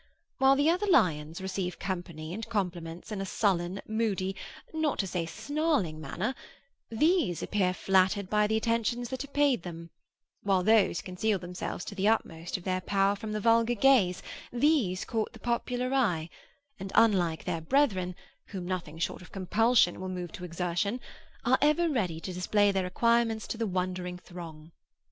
While the other lions receive company and compliments in a sullen, moody, not to say snarling manner, these appear flattered by the attentions that are paid them; while those conceal themselves to the utmost of their power from the vulgar gaze, these court the popular eye, and, unlike their brethren, whom nothing short of compulsion will move to exertion, are ever ready to display their acquirements to the wondering throng.